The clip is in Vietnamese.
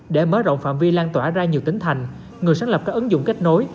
để mở rộng phạm vi lan tỏa ra nhiều tỉnh thành người sáng lập các ứng dụng kết nối